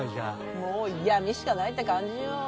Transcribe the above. もう闇しかないって感じよ。